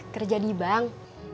kerja di bank